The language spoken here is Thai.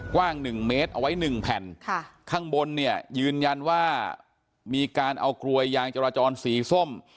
กว้างหนึ่งเมตรเอาไว้หนึ่งแผ่นค่ะข้างบนเนี่ยยืนยันว่ามีการเอากลวยยางจราจรสีส้ม